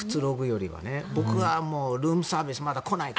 僕はルームサービスまだ来ないか？